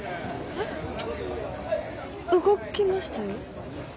えっ動きましたよ。